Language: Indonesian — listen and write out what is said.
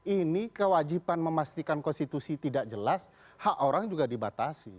ini kewajiban memastikan konstitusi tidak jelas hak orang juga dibatasi